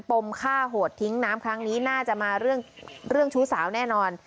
มฆ่าโหดทิ้งน้ำครั้งนี้น่าจะมาเรื่องชู้สาวแน่นอน